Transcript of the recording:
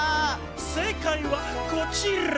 せいかいはこちら！